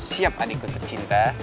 siap adikku tercinta